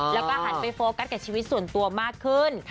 แล้วก็หันไปโฟกัสกับชีวิตส่วนตัวมากขึ้น